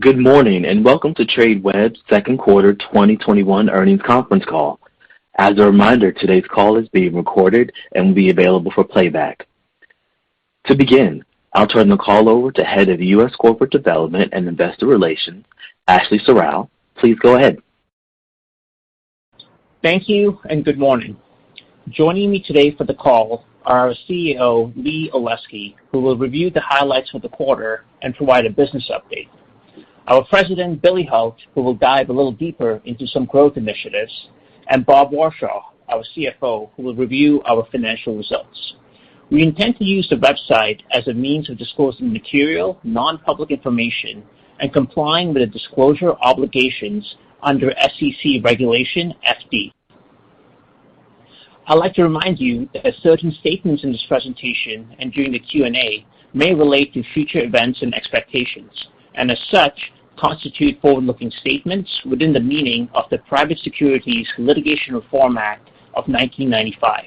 Good morning, welcome to Tradeweb's second quarter 2021 earnings conference call. As a reminder, today's call is being recorded and will be available for playback. To begin, I'll turn the call over to Head of U.S. Corporate Development and Investor Relations, Ashley Serrao. Please go ahead. Thank you, good morning. Joining me today for the call are our CEO, Lee Olesky, who will review the highlights for the quarter and provide a business update, our President, Billy Hult, who will dive a little deeper into some growth initiatives, and Robert Warshaw, our CFO, who will review our financial results. We intend to use the website as a means of disclosing material, non-public information and complying with the disclosure obligations under SEC Regulation FD. I'd like to remind you that certain statements in this presentation and during the Q&A may relate to future events and expectations, and as such, constitute forward-looking statements within the meaning of the Private Securities Litigation Reform Act of 1995.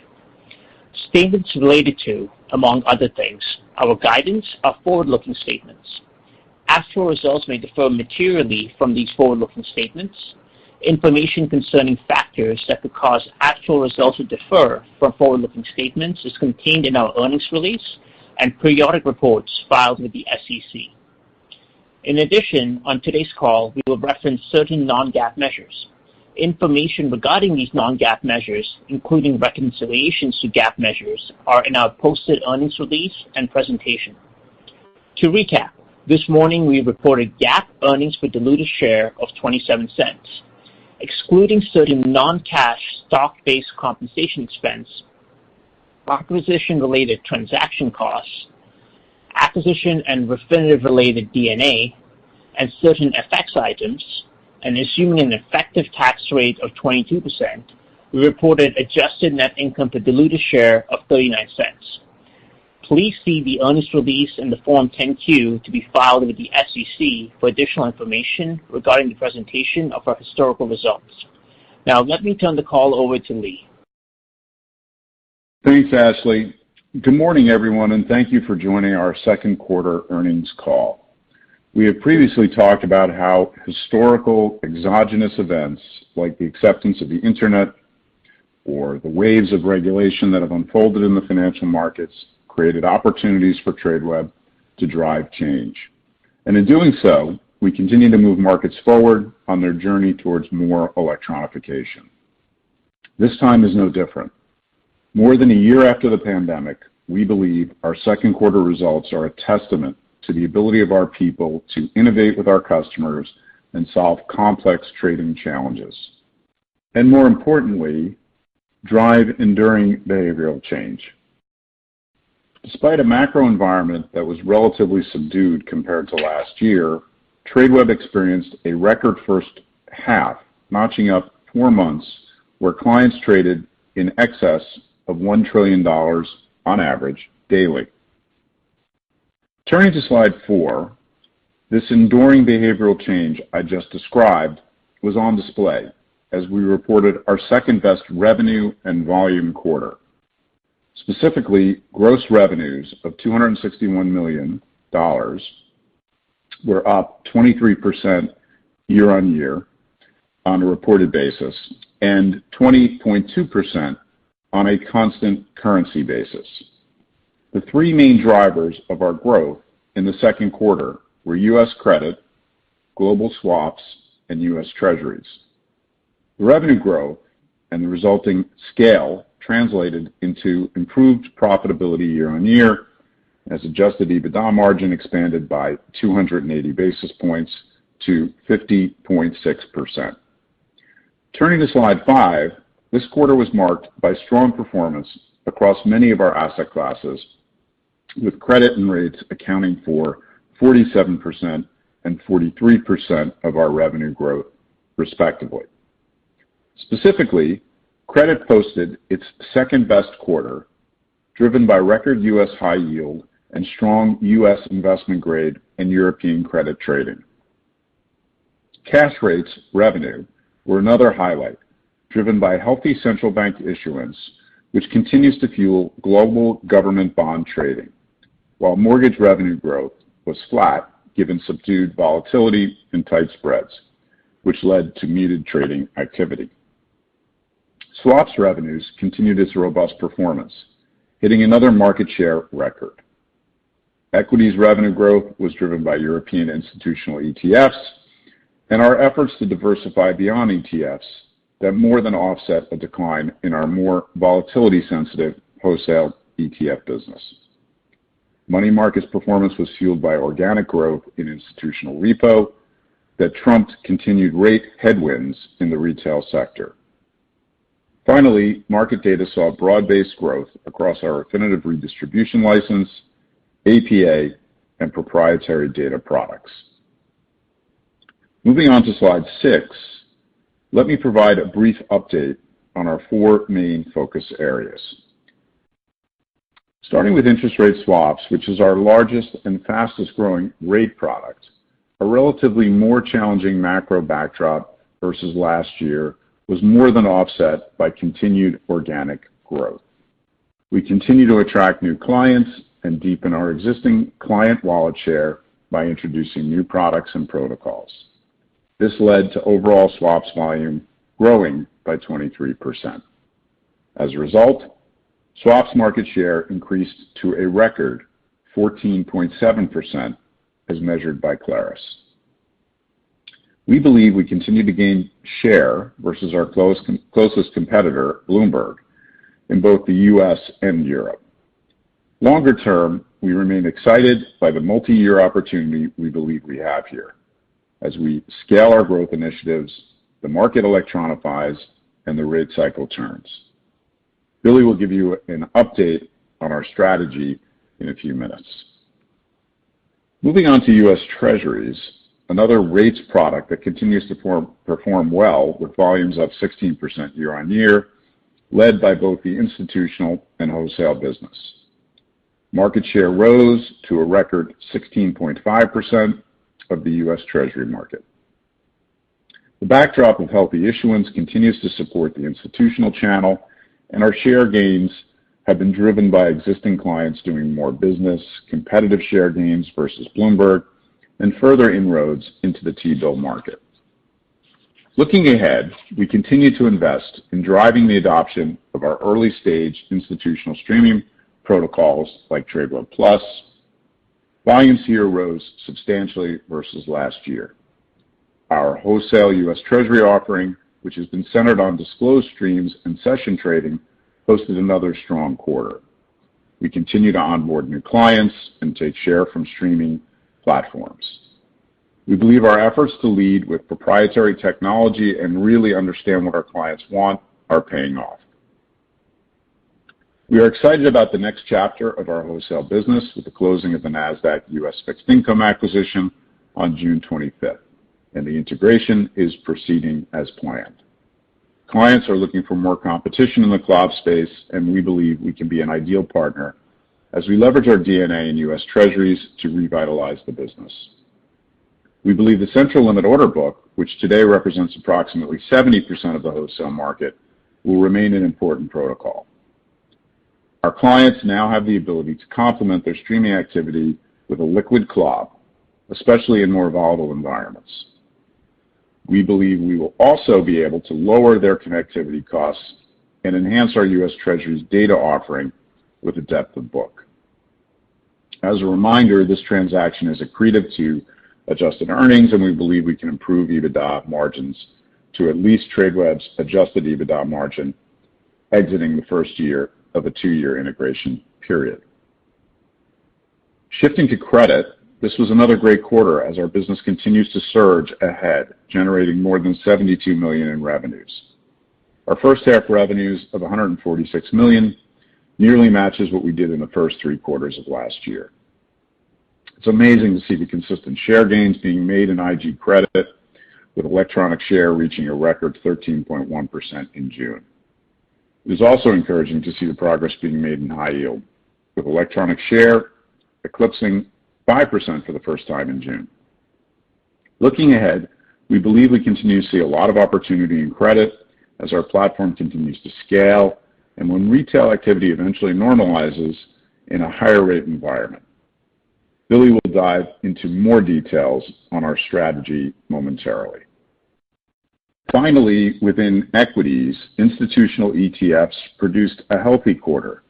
Statements related to, among other things, our guidance are forward-looking statements. Actual results may differ materially from these forward-looking statements. Information concerning factors that could cause actual results to differ from forward-looking statements is contained in our earnings release and periodic reports filed with the SEC. In addition, on today's call, we will reference certain non-GAAP measures. Information regarding these non-GAAP measures, including reconciliations to GAAP measures, are in our posted earnings release and presentation. To recap, this morning we reported GAAP earnings per diluted share of $0.27. Excluding certain non-cash stock-based compensation expense, acquisition-related transaction costs, acquisition and Refinitiv-related D&A and certain FX items, and assuming an effective tax rate of 22%, we reported adjusted net income per diluted share of $0.39. Please see the earnings release and the Form 10-Q to be filed with the SEC for additional information regarding the presentation of our historical results. Now let me turn the call over to Lee. Thanks, Ashley. Good morning, everyone, and thank you for joining our 2nd quarter earnings call. We have previously talked about how historical exogenous events, like the acceptance of the internet or the waves of regulation that have unfolded in the financial markets, created opportunities for Tradeweb to drive change. In doing so, we continue to move markets forward on their journey towards more electronification. This time is no different. More than one year after the pandemic, we believe our 2nd quarter results are a testament to the ability of our people to innovate with our customers and solve complex trading challenges, and more importantly, drive enduring behavioral change. Despite a macro environment that was relatively subdued compared to last year, Tradeweb experienced a record first half, notching up four months where clients traded in excess of $1 trillion on average daily. Turning to slide four, this enduring behavioral change I just described was on display as we reported our second-best revenue and volume quarter. Specifically, gross revenues of $261 million were up 23% year-on-year on a reported basis, and 20.2% on a constant currency basis. The three main drivers of our growth in the second quarter were US credit, global swaps, and U.S. Treasuries. The revenue growth and the resulting scale translated into improved profitability year-on-year as adjusted EBITDA margin expanded by 280 basis points to 50.6%. Turning to slide five, this quarter was marked by strong performance across many of our asset classes, with credit and rates accounting for 47% and 43% of our revenue growth, respectively. Specifically, credit posted its second-best quarter, driven by record U.S. high yield and strong U.S. investment-grade and European credit trading. Cash rates revenue were another highlight, driven by healthy central bank issuance, which continues to fuel global government bond trading. While mortgage revenue growth was flat given subdued volatility and tight spreads, which led to muted trading activity. Swaps revenues continued its robust performance, hitting another market share record. Equities revenue growth was driven by European institutional ETFs and our efforts to diversify beyond ETFs that more than offset the decline in our more volatility-sensitive wholesale ETF business. Money markets performance was fueled by organic growth in institutional repo that trumped continued rate headwinds in the retail sector. Finally, market data saw broad-based growth across our Refinitiv redistribution license, APA, and proprietary data products. Moving on to slide six, let me provide a brief update on our four main focus areas. Starting with interest rate swaps, which is our largest and fastest-growing rate product, a relatively more challenging macro backdrop versus last year was more than offset by continued organic growth. We continue to attract new clients and deepen our existing client wallet share by introducing new products and protocols. This led to overall swaps volume growing by 23%. As a result, swaps market share increased to a record 14.7% as measured by Clarus. We believe we continue to gain share versus our closest competitor, Bloomberg, in both the U.S. and Europe. Longer term, we remain excited by the multi-year opportunity we believe we have here as we scale our growth initiatives, the market electronifies, and the rate cycle turns. Billy Hult will give you an update on our strategy in a few minutes. Moving on to U.S. Treasuries, another rates product that continues to perform well with volumes up 16% year-on-year, led by both the institutional and wholesale business. Market share rose to a record 16.5% of the U.S. Treasury market. The backdrop of healthy issuance continues to support the institutional channel, and our share gains have been driven by existing clients doing more business, competitive share gains versus Bloomberg, and further inroads into the T-bill market. Looking ahead, we continue to invest in driving the adoption of our early-stage institutional streaming protocols like Tradeweb+. Volumes here rose substantially versus last year. Our wholesale U.S. Treasury offering, which has been centered on disclosed streams and session trading, posted another strong quarter. We continue to onboard new clients and take share from streaming platforms. We believe our efforts to lead with proprietary technology and really understand what our clients want are paying off. We are excited about the next chapter of our wholesale business with the closing of the Nasdaq U.S. Fixed Income acquisition on June 25th, and the integration is proceeding as planned. Clients are looking for more competition in the CLOB space, and we believe we can be an ideal partner as we leverage our DNA in U.S. Treasuries to revitalize the business. We believe the central limit order book, which today represents approximately 70% of the wholesale market, will remain an important protocol. Our clients now have the ability to complement their streaming activity with a liquid CLOB, especially in more volatile environments. We believe we will also be able to lower their connectivity costs and enhance our U.S. Treasuries data offering with the depth of book. As a reminder, this transaction is accretive to adjusted earnings, and we believe we can improve EBITDA margins to at least Tradeweb's adjusted EBITDA margin exiting the first year of a two-year integration period. Shifting to credit, this was another great quarter as our business continues to surge ahead, generating more than $72 million in revenues. Our first half revenues of $146 million nearly matches what we did in the first three quarters of last year. It's amazing to see the consistent share gains being made in IG credit, with electronic share reaching a record 13.1% in June. It is also encouraging to see the progress being made in high yield, with electronic share eclipsing 5% for the first time in June. Looking ahead, we believe we continue to see a lot of opportunity in credit as our platform continues to scale and when retail activity eventually normalizes in a higher rate environment. Billy will dive into more details on our strategy momentarily. Finally, within equities, institutional ETFs produced a healthy quarter,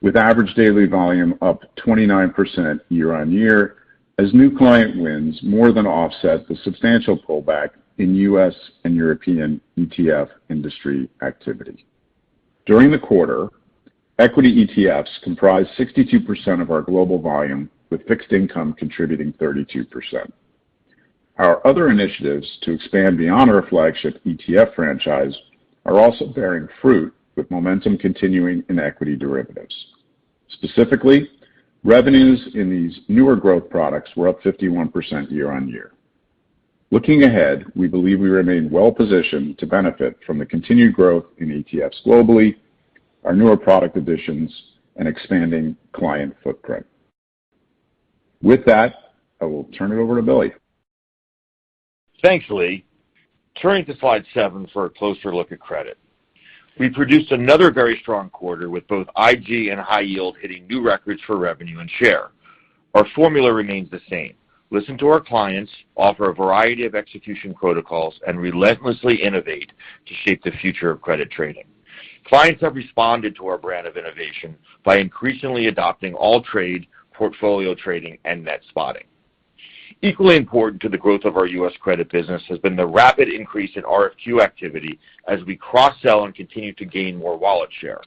with average daily volume up 29% year-over-year as new client wins more than offset the substantial pullback in U.S. and European ETF industry activity. During the quarter, equity ETFs comprised 62% of our global volume, with fixed income contributing 32%. Our other initiatives to expand beyond our flagship ETF franchise are also bearing fruit, with momentum continuing in equity derivatives. Specifically, revenues in these newer growth products were up 51% year-over-year. Looking ahead, we believe we remain well positioned to benefit from the continued growth in ETFs globally, our newer product additions, and expanding client footprint. With that, I will turn it over to Billy. Thanks, Lee. Turning to slide seven for a closer look at credit. We produced another very strong quarter with both IG and high yield hitting new records for revenue and share. Our formula remains the same. Listen to our clients, offer a variety of execution protocols, and relentlessly innovate to shape the future of credit trading. Clients have responded to our brand of innovation by increasingly adopting AllTrade, portfolio trading, and net spotting. Equally important to the growth of our U.S. credit business has been the rapid increase in RFQ activity as we cross-sell and continue to gain more wallet share.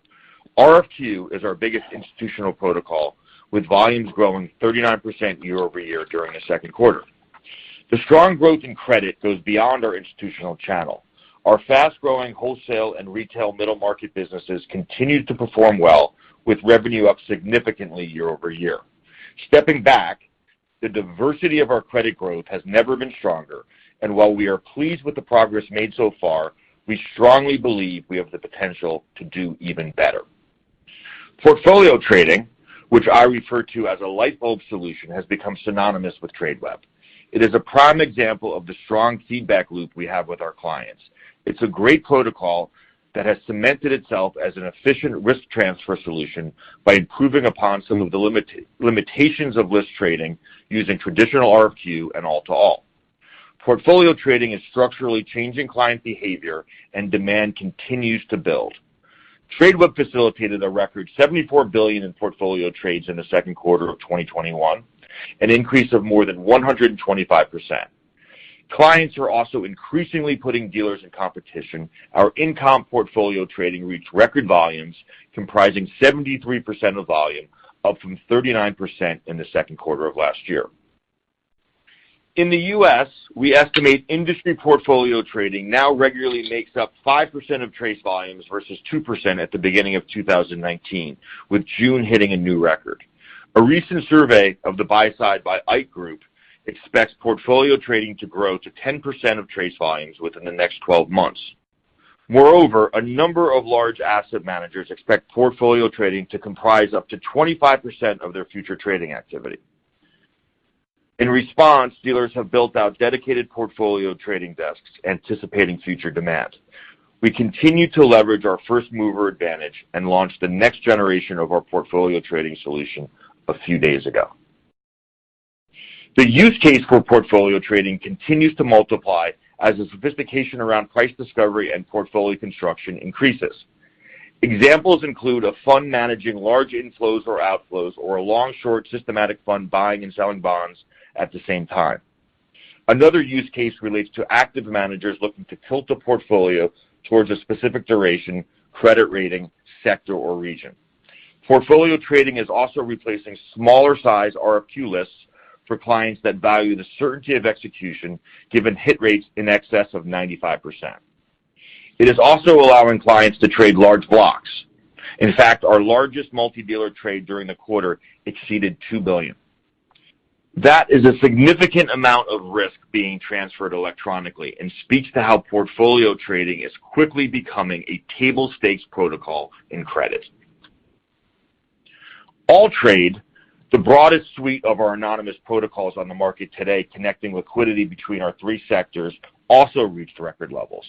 RFQ is our biggest institutional protocol, with volumes growing 39% year-over-year during the second quarter. The strong growth in credit goes beyond our institutional channel. Our fast-growing wholesale and retail middle market businesses continued to perform well, with revenue up significantly year-over-year. Stepping back, the diversity of our credit growth has never been stronger. While we are pleased with the progress made so far, we strongly believe we have the potential to do even better. Portfolio trading which I refer to as a light bulb solution, has become synonymous with Tradeweb. It is a prime example of the strong feedback loop we have with our clients. It's a great protocol that has cemented itself as an efficient risk transfer solution by improving upon some of the limitations of list trading using traditional RFQ and all-to-all. Portfolio trading is structurally changing client behavior and demand continues to build. Tradeweb facilitated a record $74 billion in portfolio trades in the second quarter of 2021, an increase of more than 125%. Clients are also increasingly putting dealers in competition. Our in-comp portfolio trading reached record volumes comprising 73% of volume, up from 39% in the second quarter of last year. In the U.S., we estimate industry portfolio trading now regularly makes up 5% of trade volumes versus 2% at the beginning of 2019, with June hitting a new record. A recent survey of the buy side by Aite Group expects portfolio trading to grow to 10% of trade volumes within the next 12 months. Moreover, a number of large asset managers expect portfolio trading to comprise up to 25% of their future trading activity. In response, dealers have built out dedicated portfolio trading desks anticipating future demand. We continue to leverage our first-mover advantage and launch the next generation of our portfolio trading solution a few days ago. The use case for portfolio trading continues to multiply as the sophistication around price discovery and portfolio construction increases. Examples include a fund managing large inflows or outflows, or a long-short systematic fund buying and selling bonds at the same time. Another use case relates to active managers looking to tilt a portfolio towards a specific duration, credit rating, sector, or region. Portfolio trading is also replacing smaller size RFQ lists for clients that value the certainty of execution, given hit rates in excess of 95%. It is also allowing clients to trade large blocks. In fact, our largest multi-dealer trade during the quarter exceeded $2 billion. That is a significant amount of risk being transferred electronically and speaks to how portfolio trading is quickly becoming a table stakes protocol in credit. AllTrade, the broadest suite of our anonymous protocols on the market today, connecting liquidity between our three sectors, also reached record levels.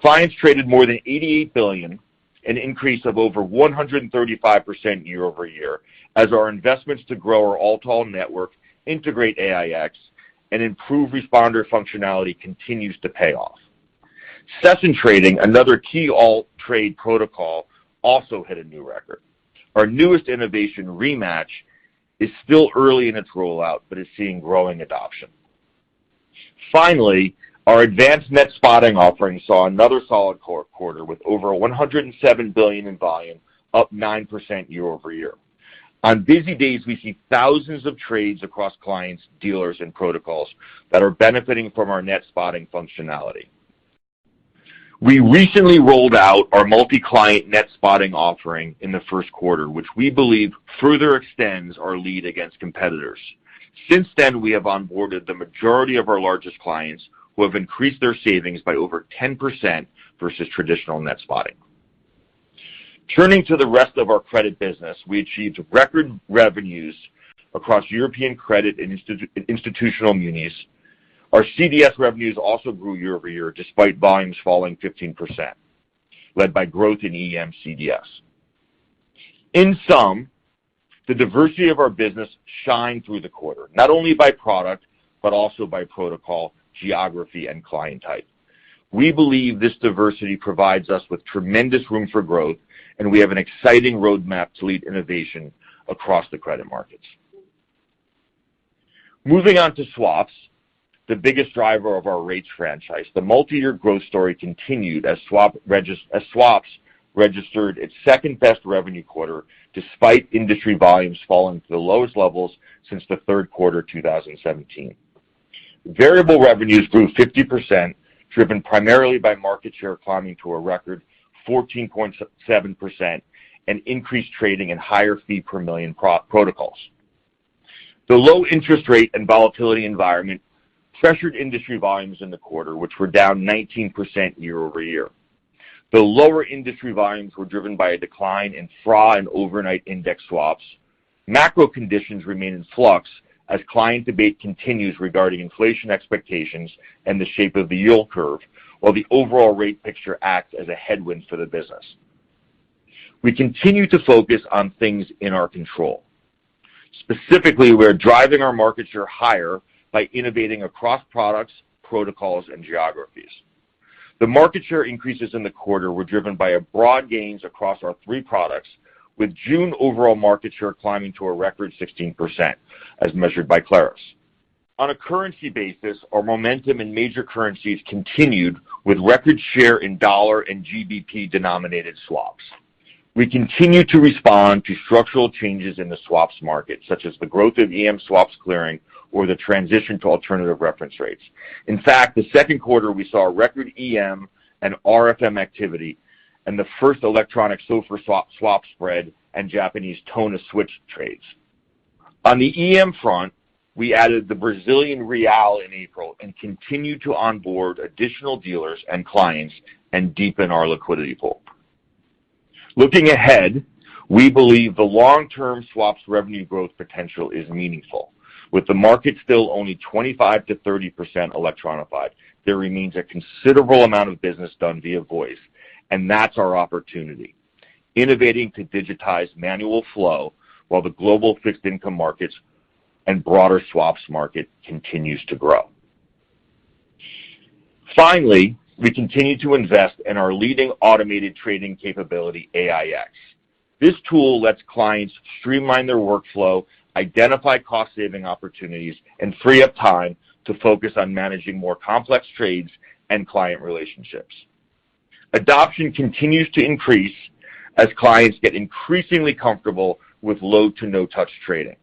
Clients traded more than $88 billion, an increase of over 135% year-over-year, as our investments to grow our all-to-all network, integrate AiEX, and improve responder functionality continues to pay off. Session trading, another key AllTrade protocol, also hit a new record. Our newest innovation, Rematch, is still early in its rollout, but is seeing growing adoption. Finally, our advanced net spotting offering saw another solid quarter with over $107 billion in volume, up 9% year-over-year. On busy days, we see thousands of trades across clients, dealers, and protocols that are benefiting from our net spotting functionality. We recently rolled out our Multi-Client Net Spotting offering in the first quarter, which we believe further extends our lead against competitors. Since then, we have onboarded the majority of our largest clients, who have increased their savings by over 10% versus traditional net spotting. Turning to the rest of our credit business, we achieved record revenues across European credit and institutional munis. Our CDS revenues also grew year-over-year, despite volumes falling 15%, led by growth in EM CDS. In sum, the diversity of our business shined through the quarter, not only by product, but also by protocol, geography, and client type. We believe this diversity provides us with tremendous room for growth, and we have an exciting roadmap to lead innovation across the credit markets. Moving on to swaps, the biggest driver of our rates franchise. The multi-year growth story continued as swaps registered its second-best revenue quarter, despite industry volumes falling to the lowest levels since the third quarter 2017. Variable revenues grew 50%, driven primarily by market share climbing to a record 14.7%, and increased trading and higher fee per million protocols. The low interest rate and volatility environment pressured industry volumes in the quarter, which were down 19% year-over-year. The lower industry volumes were driven by a decline in FRA and overnight index swaps. Macro conditions remain in flux as client debate continues regarding inflation expectations and the shape of the yield curve, while the overall rate picture acts as a headwind for the business. We continue to focus on things in our control. Specifically, we're driving our market share higher by innovating across products, protocols, and geographies. The market share increases in the quarter were driven by a broad gains across our three products, with June overall market share climbing to a record 16%, as measured by Clarus. On a currency basis, our momentum in major currencies continued with record share in dollar and GBP-denominated swaps. We continue to respond to structural changes in the swaps market, such as the growth of EM swaps clearing or the transition to alternative reference rates. The second quarter, we saw a record EM and RFM activity and the first electronic SOFR swap spread and Japanese TONA switch trades. On the EM front, we added the Brazilian real in April and continue to onboard additional dealers and clients and deepen our liquidity pool. Looking ahead, we believe the long-term swaps revenue growth potential is meaningful. With the market still only 25%-30% electronified, there remains a considerable amount of business done via voice, and that's our opportunity, innovating to digitize manual flow while the global fixed income markets and broader swaps market continues to grow. We continue to invest in our leading automated trading capability, AiEX. This tool lets clients streamline their workflow, identify cost-saving opportunities, and free up time to focus on managing more complex trades and client relationships. Adoption continues to increase as clients get increasingly comfortable with low-to-no touch trading.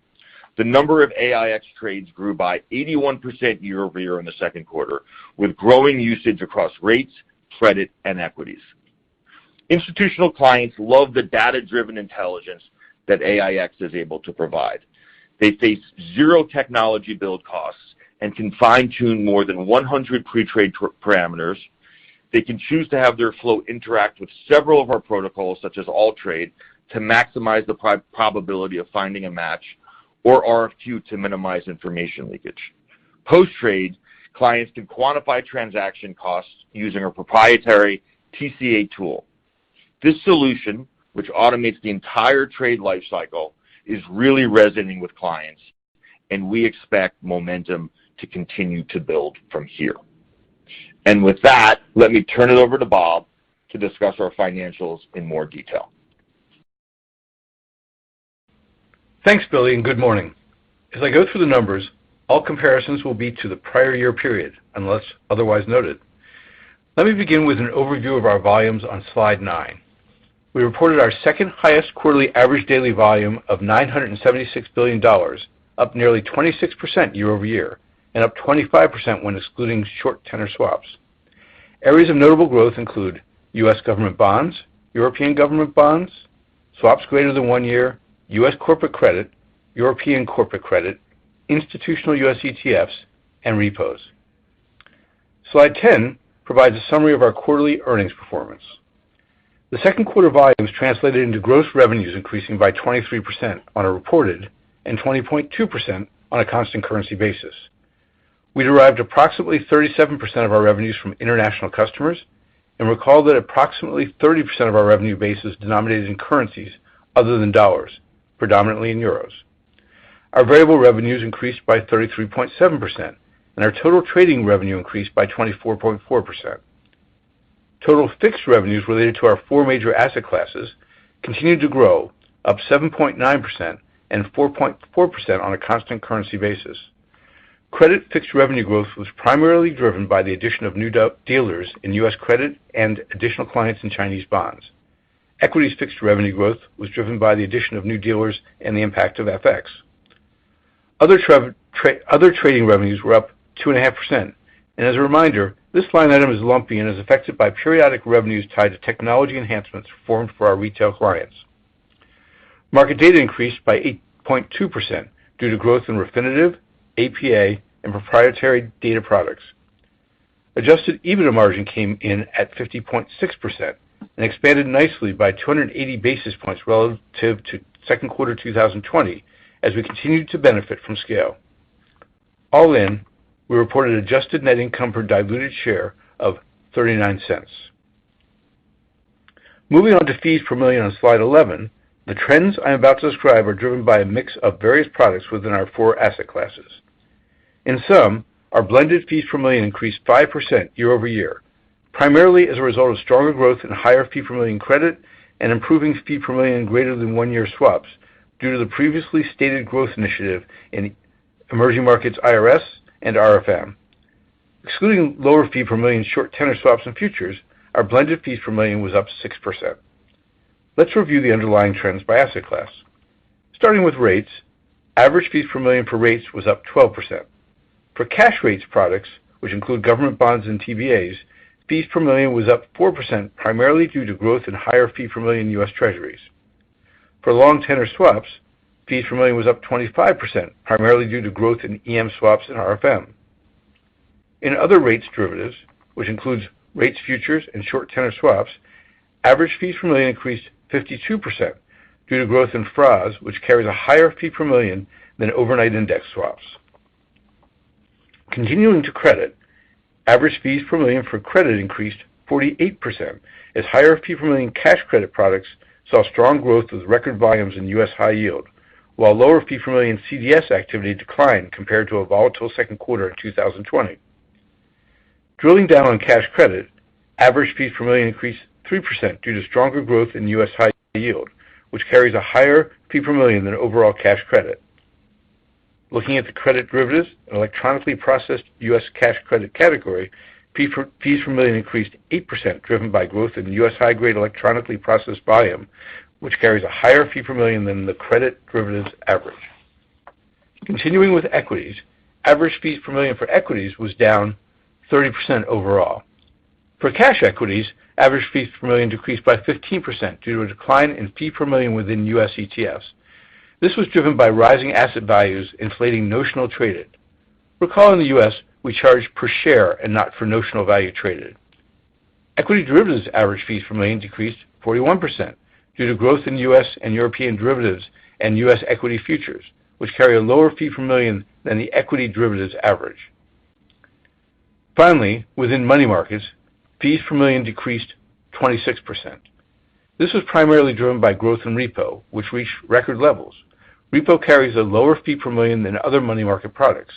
The number of AiEX trades grew by 81% year-over-year in the second quarter, with growing usage across rates, credit, and equities. Institutional clients love the data-driven intelligence that AiEX is able to provide. They face zero technology build costs and can fine-tune more than 100 pre-trade parameters. They can choose to have their flow interact with several of our protocols, such as AllTrade, to maximize the probability of finding a match, or RFQ to minimize information leakage. Post-trade, clients can quantify transaction costs using our proprietary TCA tool. This solution, which automates the entire trade life cycle, is really resonating with clients, and we expect momentum to continue to build from here. With that, let me turn it over to Bob to discuss our financials in more detail. Thanks, Billy, and good morning. As I go through the numbers, all comparisons will be to the prior year period, unless otherwise noted. Let me begin with an overview of our volumes on slide nine. We reported our second-highest quarterly average daily volume of $976 billion, up nearly 26% year-over-year, and up 25% when excluding short tenor swaps. Areas of notable growth include U.S. government bonds, European government bonds, swaps greater than one year, U.S. corporate credit, European corporate credit, institutional U.S. ETFs, and repos. Slide 10 provides a summary of our quarterly earnings performance. The second quarter volumes translated into gross revenues increasing by 23% on a reported and 20.2% on a constant currency basis. We derived approximately 37% of our revenues from international customers and recall that approximately 30% of our revenue base is denominated in currencies other than dollars, predominantly in euros. Our variable revenues increased by 33.7%, and our total trading revenue increased by 24.4%. Total fixed revenues related to our four major asset classes continued to grow, up 7.9% and 4.4% on a constant currency basis. Credit fixed revenue growth was primarily driven by the addition of new dealers in U.S. credit and additional clients in Chinese bonds. Equities fixed revenue growth was driven by the addition of new dealers and the impact of FX. Other trading revenues were up 2.5%. As a reminder, this line item is lumpy and is affected by periodic revenues tied to technology enhancements formed for our retail clients. Market data increased by 8.2% due to growth in Refinitiv, APA, and proprietary data products. Adjusted EBITDA margin came in at 50.6% and expanded nicely by 280 basis points relative to second quarter 2020 as we continued to benefit from scale. All in, we reported adjusted net income per diluted share of $0.39. Moving on to fee per million on slide 11, the trends I'm about to describe are driven by a mix of various products within our four asset classes. In sum, our blended fee per million increased 5% year-over-year, primarily as a result of stronger growth in higher fee per million credit and improving fee per million greater than one-year swaps due to the previously stated growth initiative in emerging markets IRS and RFM. Excluding lower fee per million short tenor swaps and futures, our blended fee per million was up 6%. Let's review the underlying trends by asset class. Starting with rates, average fee per million for rates was up 12%. For cash rates products, which include government bonds and TBAs, fees per million was up 4%, primarily due to growth in higher fee per million U.S. Treasuries. For long tenor swaps, fees per million was up 25%, primarily due to growth in EM swaps and RFM. In other rates derivatives, which includes rates futures and short tenor swaps, average fees per million increased 52% due to growth in FRAs, which carries a higher fee per million than overnight index swaps. Continuing to credit, average fees per million for credit increased 48%, as higher fee per million cash credit products saw strong growth with record volumes in U.S. high yield, while lower fee per million CDS activity declined compared to a volatile second quarter in 2020. Drilling down on cash credit, average fees per million increased 3% due to stronger growth in U.S. high yield, which carries a higher fee per million than overall cash credit. Looking at the credit derivatives and electronically processed U.S. cash credit category, fees per million increased 8%, driven by growth in U.S. high-grade electronically processed volume, which carries a higher fee per million than the credit derivatives average. Continuing with equities, average fees per million for equities was down 30% overall. For cash equities, average fees per million decreased by 15% due to a decline in fee per million within U.S. ETFs. This was driven by rising asset values inflating notional traded. Recall in the U.S., we charge per share and not for notional value traded. Equity derivatives average fees per million decreased 41% due to growth in U.S. and European derivatives and U.S. equity futures, which carry a lower fee per million than the equity derivatives average. Within money markets, fees per million decreased 26%. This was primarily driven by growth in repo, which reached record levels. Repo carries a lower fee per million than other money market products.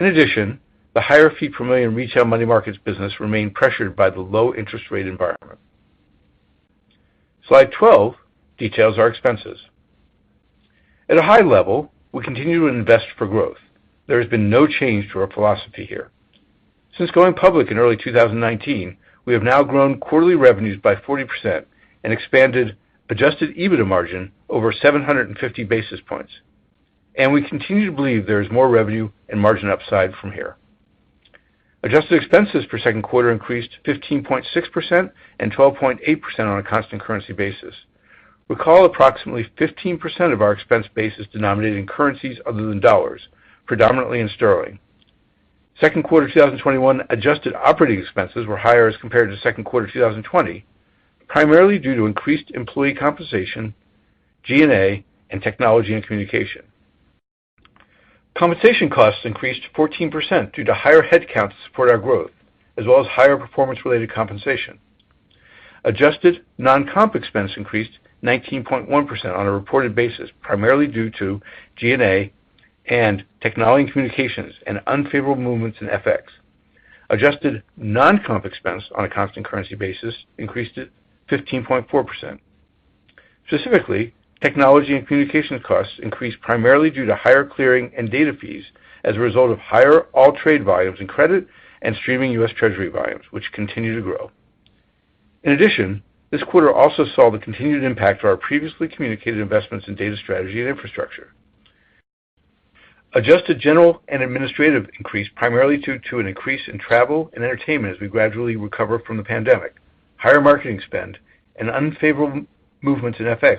The higher fee per million retail money markets business remained pressured by the low interest rate environment. Slide 12 details our expenses. At a high level, we continue to invest for growth. There has been no change to our philosophy here. Since going public in early 2019, we have now grown quarterly revenues by 40% and expanded adjusted EBITDA margin over 750 basis points. We continue to believe there is more revenue and margin upside from here. Adjusted expenses for second quarter increased 15.6% and 12.8% on a constant currency basis. Recall approximately 15% of our expense base is denominated in currencies other than dollars, predominantly in sterling. Second quarter 2021 adjusted operating expenses were higher as compared to second quarter 2020, primarily due to increased employee compensation, G&A, and technology and communication. Compensation costs increased 14% due to higher headcount to support our growth, as well as higher performance-related compensation. Adjusted non-comp expense increased 19.1% on a reported basis, primarily due to G&A and technology and communications, and unfavorable movements in FX. Adjusted non-comp expense on a constant currency basis increased to 15.4%. Specifically, technology and communication costs increased primarily due to higher clearing and data fees as a result of higher AllTrade volumes in credit and streaming U.S. Treasury volumes, which continue to grow. In addition, this quarter also saw the continued impact to our previously communicated investments in data strategy and infrastructure. Adjusted general and administrative increased primarily due to an increase in travel and entertainment as we gradually recover from the pandemic, higher marketing spend, and unfavorable movements in FX,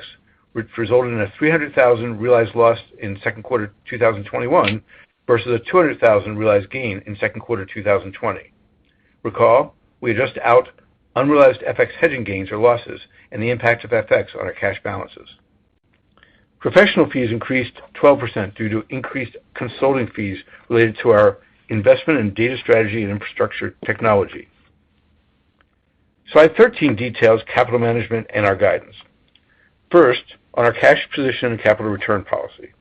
which resulted in a $300,000 realized loss in second quarter 2021 versus a $200,000 realized gain in second quarter 2020. Recall, we adjust out unrealized FX hedging gains or losses and the impact of FX on our cash balances. Professional fees increased 12% due to increased consulting fees related to our investment in data strategy and infrastructure technology. Slide 13 details capital management and our guidance. First, on our cash position and capital return policy.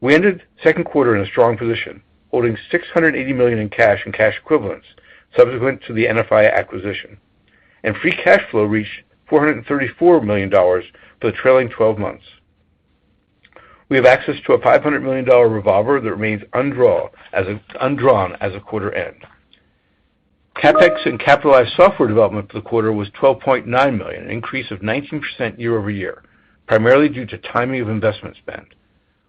We ended the second quarter in a strong position, holding $680 million in cash and cash equivalents subsequent to the NFI acquisition, and free cash flow reached $434 million for the trailing 12 months. We have access to a $500 million revolver that remains undrawn as of quarter end. CapEx and capitalized software development for the quarter was $12.9 million, an increase of 19% year-over-year, primarily due to timing of investment spend.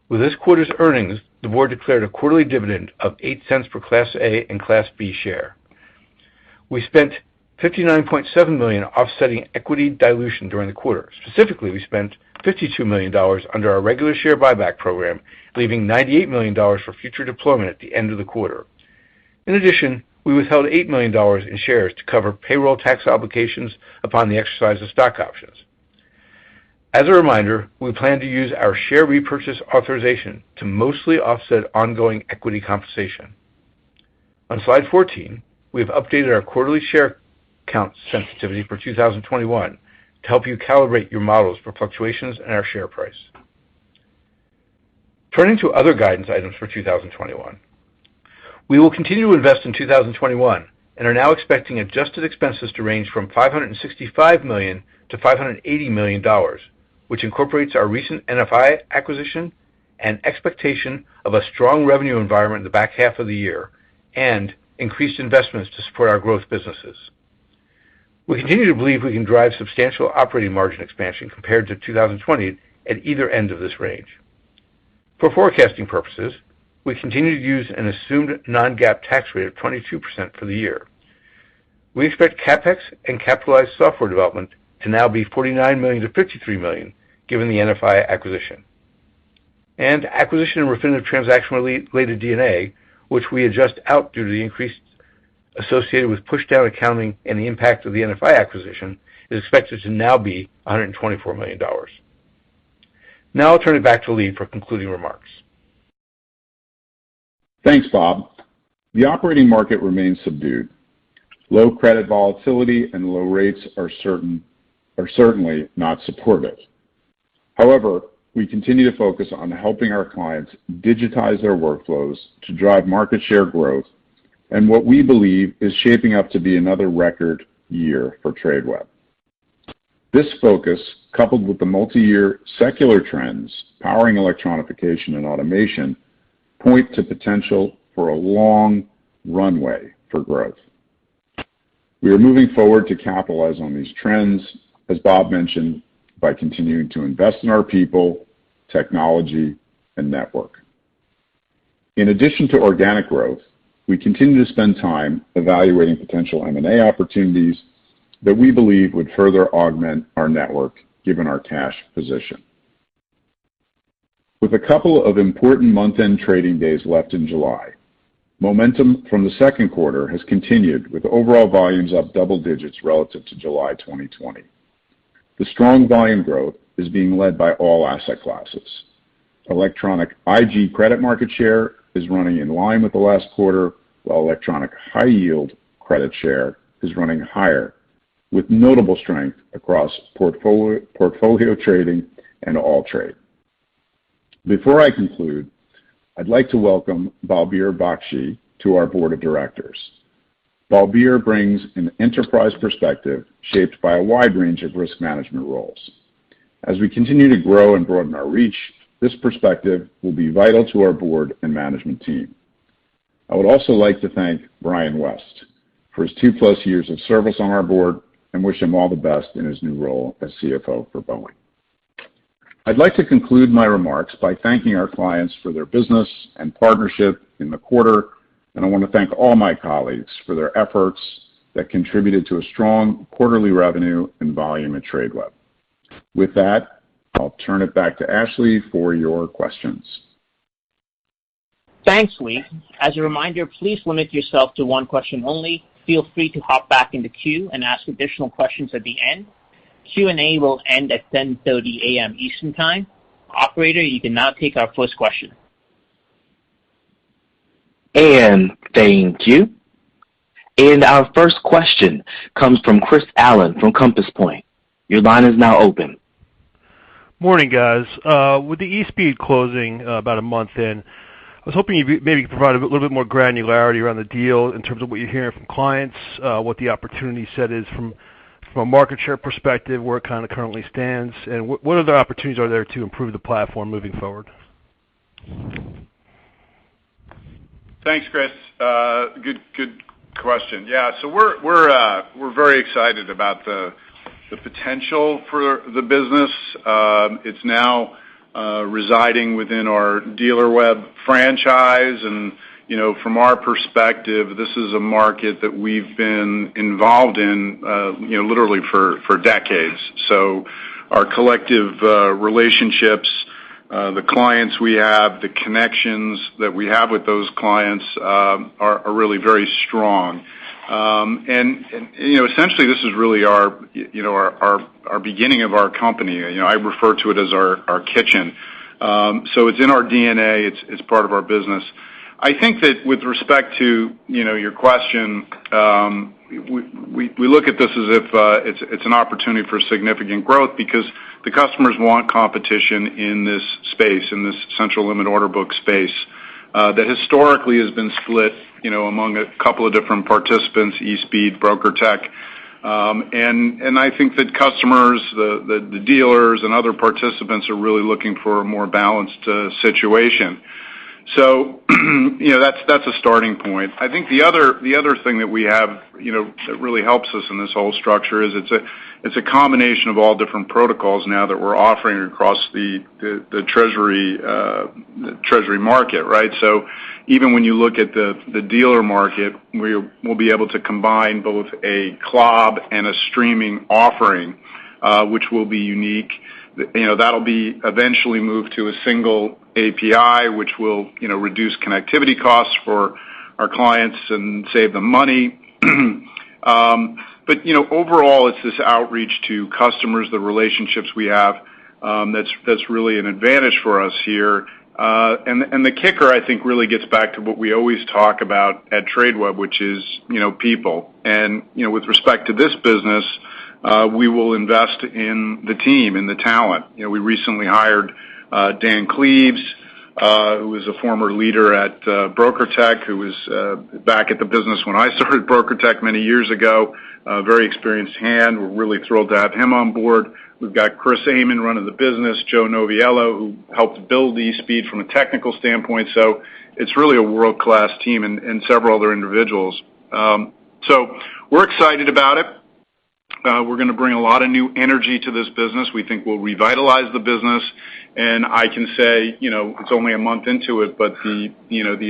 With this quarter's earnings, the board declared a quarterly dividend of $0.08 per Class A and Class B share. We spent $59.7 million offsetting equity dilution during the quarter. Specifically, we spent $52 million under our regular share buyback program, leaving $98 million for future deployment at the end of the quarter. In addition, we withheld $8 million in shares to cover payroll tax obligations upon the exercise of stock options. As a reminder, we plan to use our share repurchase authorization to mostly offset ongoing equity compensation. On slide 14, we have updated our quarterly share count sensitivity for 2021 to help you calibrate your models for fluctuations in our share price. Turning to other guidance items for 2021. We will continue to invest in 2021 and are now expecting adjusted expenses to range from $565 million-$580 million, which incorporates our recent NFI acquisition and expectation of a strong revenue environment in the back half of the year, and increased investments to support our growth businesses. We continue to believe we can drive substantial operating margin expansion compared to 2020 at either end of this range. For forecasting purposes, we continue to use an assumed non-GAAP tax rate of 22% for the year. We expect CapEx and capitalized software development to now be $49 million-$53 million, given the NFI acquisition. Acquisition and Refinitiv transaction-related G&A, which we adjust out due to the increase associated with pushdown accounting and the impact of the NFI acquisition, is expected to now be $124 million. Now I'll turn it back to Lee for concluding remarks. Thanks, Bob. The operating market remains subdued. Low credit volatility and low rates are certainly not supportive. However, we continue to focus on helping our clients digitize their workflows to drive market share growth in what we believe is shaping up to be another record year for Tradeweb. This focus, coupled with the multi-year secular trends powering electronification and automation, point to potential for a long runway for growth. We are moving forward to capitalize on these trends, as Bob mentioned, by continuing to invest in our people, technology, and network. In addition to organic growth, we continue to spend time evaluating potential M&A opportunities that we believe would further augment our network given our cash position. With a couple of important month-end trading days left in July, momentum from the second quarter has continued with overall volumes up double digits relative to July 2020. The strong volume growth is being led by all asset classes. Electronic IG credit market share is running in line with the last quarter, while electronic high yield credit share is running higher, with notable strength across portfolio trading and AllTrade. Before I conclude, I'd like to welcome Balbir Bakhshi to our board of directors. Balbir brings an enterprise perspective shaped by a wide range of risk management roles. As we continue to grow and broaden our reach, this perspective will be vital to our board and management team. I would also like to thank Brian West for his two+ years of service on our board and wish him all the best in his new role as CFO for Boeing. I'd like to conclude my remarks by thanking our clients for their business and partnership in the quarter. I want to thank all my colleagues for their efforts that contributed to a strong quarterly revenue and volume at Tradeweb. With that, I'll turn it back to Ashley for your questions. Thanks, Lee. As a reminder, please limit yourself to one question only. Feel free to hop back in the queue and ask additional questions at the end. Q&A will end at 10:30 A.M. Eastern Time. Operator, you can now take our first question. Thank you. Our first question comes from Chris Allen from Compass Point. Your line is now open. Morning, guys. With the eSpeed closing about a month in, I was hoping you'd maybe provide a little bit more granularity around the deal in terms of what you're hearing from clients, what the opportunity set is from a market share perspective, where it kind of currently stands, and what other opportunities are there to improve the platform moving forward? Thanks, Chris. Good question. We're very excited about the potential for the business. It's now residing within our Dealerweb franchise. From our perspective, this is a market that we've been involved in literally for decades. Our collective relationships, the clients we have, the connections that we have with those clients are really very strong. Essentially, this is really our beginning of our company. I refer to it as our kitchen. It's in our D&A, it's part of our business. I think that with respect to your question, we look at this as if it's an opportunity for significant growth because the customers want competition in this space, in this central limit order book space, that historically has been split among a couple of different participants, eSpeed, BrokerTec. I think that customers, the dealers, and other participants are really looking for a more balanced situation. That's a starting point. I think the other thing that we have that really helps us in this whole structure is it's a combination of all different protocols now that we're offering across the treasury market, right? Even when you look at the dealer market, we'll be able to combine both a CLOB and a streaming offering which will be unique. That'll be eventually moved to a single API, which will reduce connectivity costs for our clients and save them money. Overall, it's this outreach to customers, the relationships we have, that's really an advantage for us here. The kicker, I think, really gets back to what we always talk about at Tradeweb, which is people. With respect to this business, we will invest in the team, in the talent. We recently hired Dan Cleaves, who was a former leader at BrokerTec, who was back at the business when I started BrokerTec many years ago. A very experienced hand. We're really thrilled to have him on board. We've got Chris Amen running the business, Joseph Noviello, who helped build eSpeed from a technical standpoint, so it's really a world-class team, and several other individuals. We're excited about it. We're going to bring a lot of new energy to this business. We think we'll revitalize the business. I can say, it's only a month into it, but the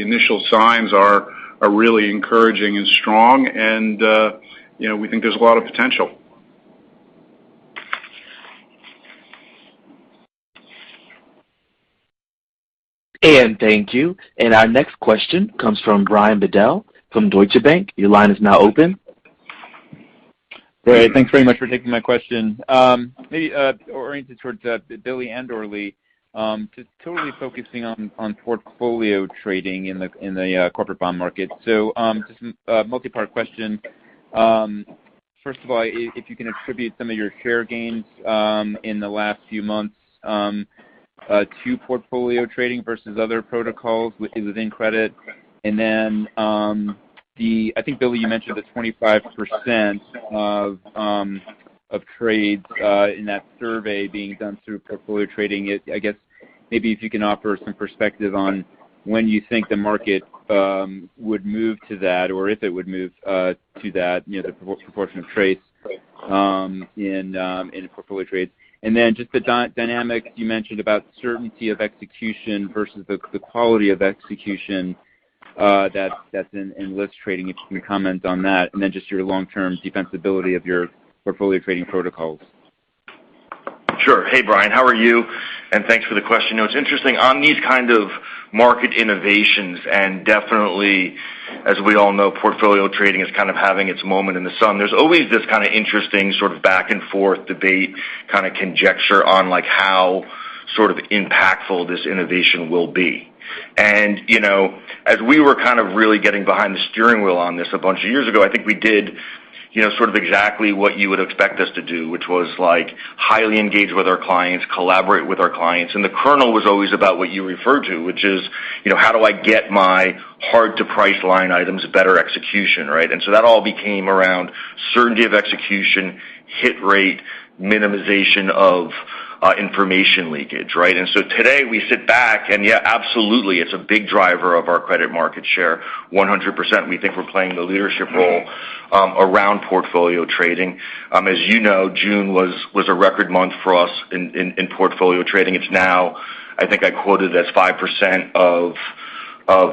initial signs are really encouraging and strong and we think there's a lot of potential. Thank you. Our next question comes from Brian Bedell from Deutsche Bank. Your line is now open. Great. Thanks very much for taking my question. Maybe oriented towards Billy and/or Lee, just totally focusing on portfolio trading in the corporate bond market. Just a multi-part question. First of all, if you can attribute some of your share gains in the last few months to portfolio trading versus other protocols within credit, and then, I think Billy, you mentioned the 25% of trades in that survey being done through portfolio trading. I guess maybe if you can offer some perspective on when you think the market would move to that or if it would move to that, the proportion of trades in portfolio trades. Just the dynamics you mentioned about certainty of execution versus the quality of execution that's in list trading, if you can comment on that, and then just your long-term defensibility of your portfolio trading protocols. Sure. Hey, Brian, how are you? Thanks for the question. It's interesting. On these kind of market innovations, definitely, as we all know, portfolio trading is kind of having its moment in the sun. There's always this kind of interesting sort of back-and-forth debate, kind of conjecture on how impactful this innovation will be. As we were kind of really getting behind the steering wheel on this a bunch of years ago, I think we did sort of exactly what you would expect us to do, which was highly engage with our clients, collaborate with our clients. The kernel was always about what you referred to, which is, how do I get my hard-to-price line items better execution, right? That all became around certainty of execution, hit rate, minimization of information leakage, right? Today we sit back and, yeah, absolutely, it's a big driver of our credit market share, 100%. We think we're playing the leadership role around portfolio trading. As you know, June was a record month for us in portfolio trading. It's now, I think I quoted as 5% of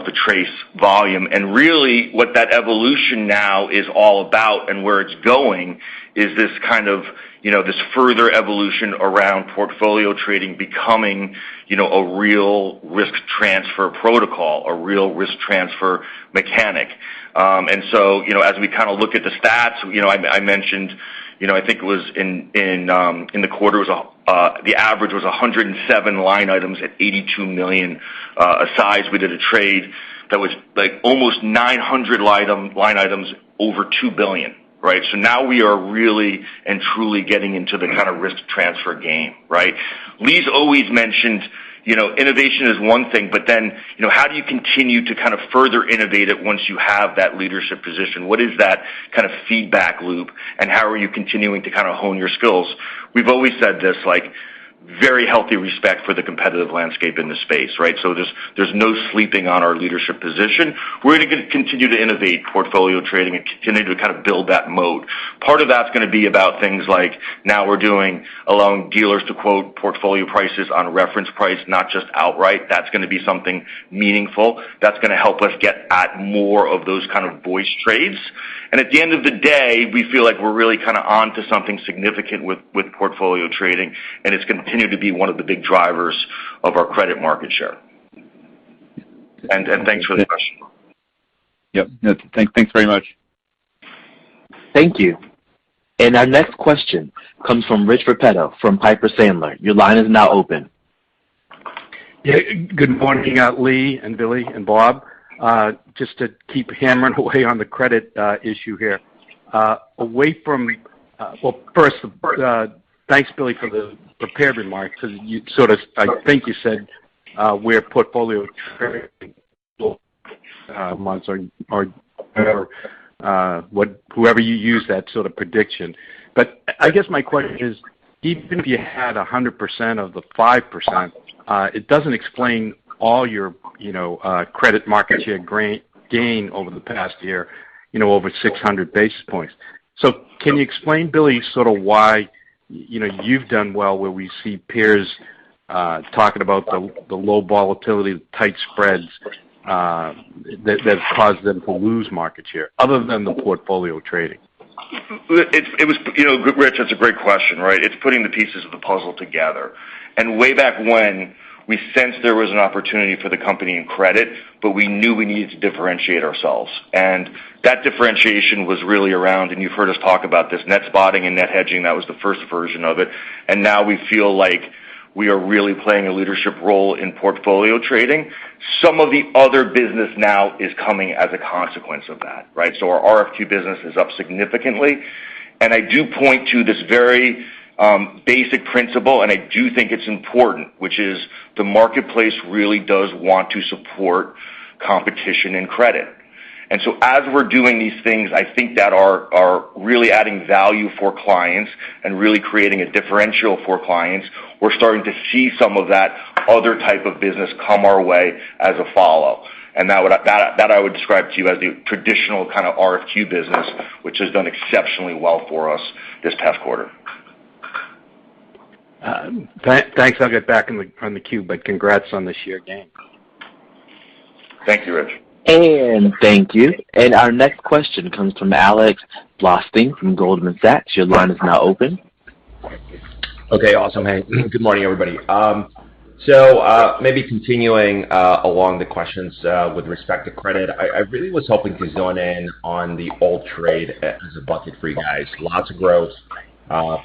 the TRACE volume. Really what that evolution now is all about and where it's going is this kind of further evolution around portfolio trading becoming a real risk transfer protocol, a real risk transfer mechanic. As we kind of look at the stats, I mentioned, I think it was in the quarter, the average was 107 line items at $82 million size. We did a trade that was almost 900 line items over $2 billion. Now we are really and truly getting into the kind of risk transfer game, right? Lee's always mentioned, innovation is one thing, how do you continue to kind of further innovate it once you have that leadership position? What is that kind of feedback loop, how are you continuing to kind of hone your skills? We've always said this, very healthy respect for the competitive landscape in the space, right? There's no sleeping on our leadership position. We're going to continue to innovate portfolio trading and continue to kind of build that moat. Part of that's going to be about things like now we're doing allowing dealers to quote portfolio prices on reference price, not just outright. That's going to be something meaningful. That's going to help us get at more of those kind of voice trades. At the end of the day, we feel like we're really kind of onto something significant with portfolio trading, and it's continued to be one of the big drivers of our credit market share. Thanks for the question. Yep. Thanks very much. Thank you. Our next question comes from Rich Repetto from Piper Sandler. Your line is now open. Good morning, Lee and Billy and Bob. Just to keep hammering away on the credit issue here. First, thanks, Billy, for the prepared remarks because I think you said we're portfolio trading months or whoever you use that sort of prediction. I guess my question is, even if you had 100% of the 5%, it doesn't explain all your credit market share gain over the past year, over 600 basis points. Can you explain, Billy, sort of why you've done well where we see peers talking about the low volatility, tight spreads that have caused them to lose market share, other than the portfolio trading? Rich, that's a great question. It's putting the pieces of the puzzle together. Way back when, we sensed there was an opportunity for the company in credit, but we knew we needed to differentiate ourselves. That differentiation was really around, and you've heard us talk about this, net spotting and net hedging. That was the first version of it. Now we feel like we are really playing a leadership role in portfolio trading. Some of the other business now is coming as a consequence of that. Our RFQ business is up significantly. I do point to this very basic principle, and I do think it's important, which is the marketplace really does want to support competition and credit. As we're doing these things, I think that are really adding value for clients and really creating a differential for clients, we're starting to see some of that other type of business come our way as a follow-up. That I would describe to you as the traditional kind of RFQ business, which has done exceptionally well for us this past quarter. Thanks. I'll get back on the queue. Congrats on the sheer gain. Thank you, Rich. Thank you. Our next question comes from Alex Blostein from Goldman Sachs. Okay, awesome. Hey, good morning, everybody. Maybe continuing along the questions with respect to credit, I really was hoping to zone in on the AllTrade as a bucket for you guys. Lots of growth,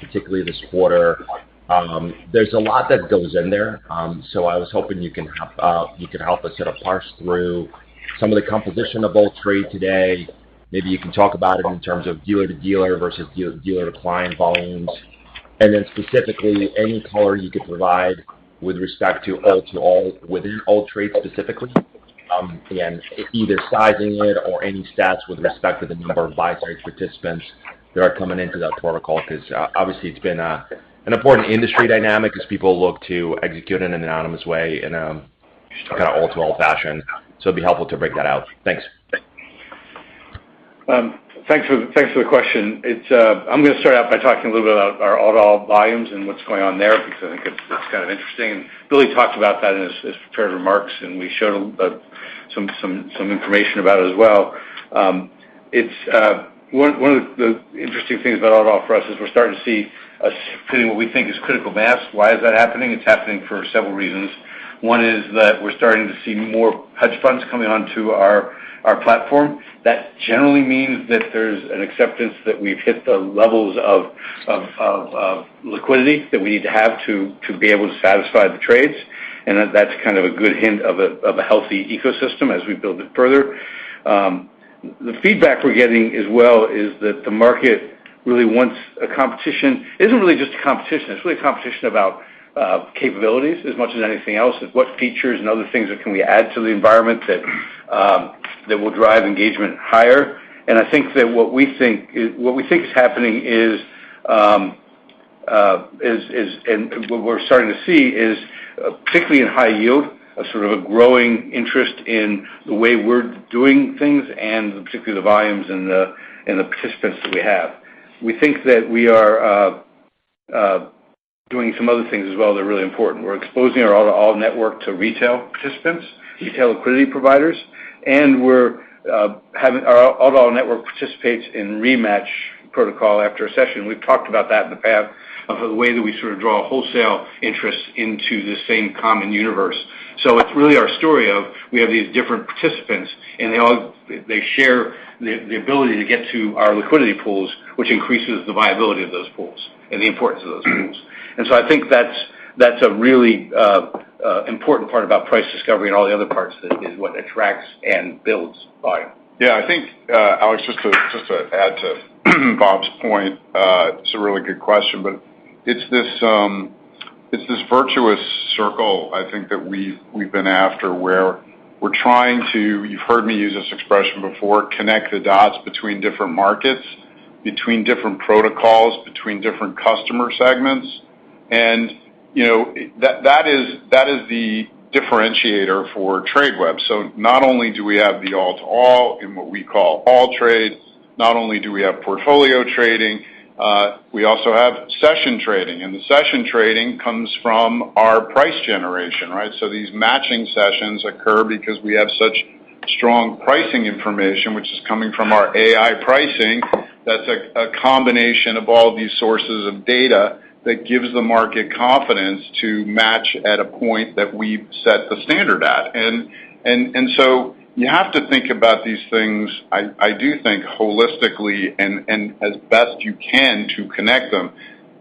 particularly this quarter. There's a lot that goes in there. I was hoping you could help us sort of parse through some of the composition of AllTrade today. Maybe you can talk about it in terms of dealer to dealer versus dealer to client volumes. Specifically, any color you could provide with respect to all-to-all within AllTrade specifically. Again, either sizing it or any stats with respect to the number of advisory participants that are coming into that protocol, because obviously it's been an important industry dynamic as people look to execute in an anonymous way in a kind of all-to-all fashion. It'd be helpful to break that out. Thanks. Thanks for the question. I'm going to start out by talking a little bit about our all-to-all volumes and what's going on there, because I think it's kind of interesting. Billy talked about that in his prepared remarks, and we showed some information about it as well. One of the interesting things about all-to-all for us is we're starting to see what we think is critical mass. Why is that happening? It's happening for several reasons. One is that we're starting to see more hedge funds coming onto our platform. That generally means that there's an acceptance that we've hit the levels of liquidity that we need to have to be able to satisfy the trades, and that's kind of a good hint of a healthy ecosystem as we build it further. The feedback we're getting as well is that the market really wants a competition. It isn't really just a competition, it's really a competition about capabilities as much as anything else, what features and other things can we add to the environment that will drive engagement higher? I think that what we think is happening is, particularly in high yield, a sort of a growing interest in the way we're doing things and in particular the volumes and the participants that we have. We think that we are doing some other things as well that are really important. We're exposing our all-to-all network to retail participants, retail liquidity providers, and our all-to-all network participates in Rematch protocol after a session. We've talked about that in the past of the way that we sort of draw wholesale interest into the same common universe. It's really our story of we have these different participants, and they share the ability to get to our liquidity pools, which increases the viability of those pools and the importance of those pools. I think that's a really important part about price discovery and all the other parts that is what attracts and builds volume. I think, Alex, just to add to Bob's point. It's a really good question, but it's this virtuous circle, I think, that we've been after where we're trying to, you've heard me use this expression before, connect the dots between different markets, between different protocols, between different customer segments. That is the differentiator for Tradeweb. Not only do we have the all-to-all in what we call AllTrade, not only do we have portfolio trading, we also have session trading, and the session trading comes from our price generation, right? These matching sessions occur because we have such strong pricing information, which is coming from our AiEX. That's a combination of all these sources of data that gives the market confidence to match at a point that we've set the standard at. You have to think about these things, I do think, holistically and as best you can to connect them.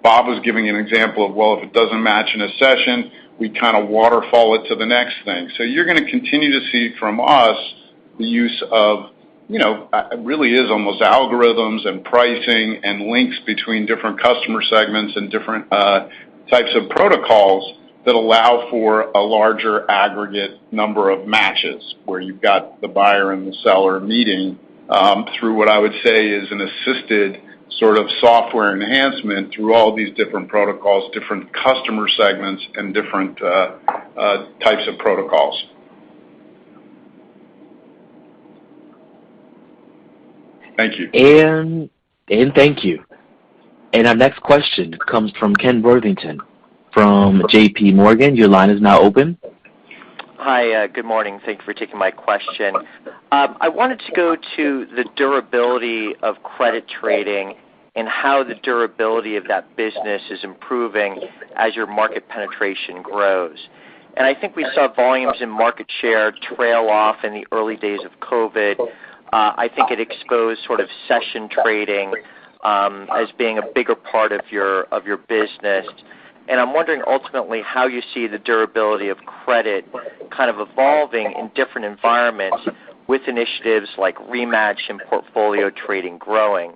Bob was giving an example of, well, if it doesn't match in a session, we kind of waterfall it to the next thing. You're going to continue to see from us the use of, it really is almost algorithms and pricing and links between different customer segments and different types of protocols that allow for a larger aggregate number of matches, where you've got the buyer and the seller meeting through what I would say is an assisted sort of software enhancement through all these different protocols, different customer segments, and different types of protocols. Thank you. Thank you. Our next question comes from Ken Worthington from JPMorgan. Your line is now open. Hi. Good morning. Thank you for taking my question. I wanted to go to the durability of credit trading and how the durability of that business is improving as your market penetration grows. I think we saw volumes in market share trail off in the early days of COVID. I think it exposed sort of session trading as being a bigger part of your business. I am wondering ultimately how you see the durability of credit kind of evolving in different environments with initiatives like Rematch and portfolio trading growing.